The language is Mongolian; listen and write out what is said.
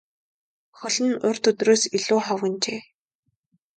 Хөл нь урд өдрөөс илүү хавагнажээ.